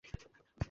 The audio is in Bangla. আমি রাগ করেছি?